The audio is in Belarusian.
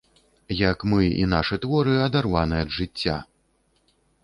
Як мы і нашы творы адарваны ад жыцця!